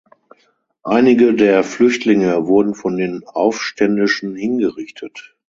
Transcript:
Einige der Flüchtlinge wurden von den Aufständischen hingerichtet.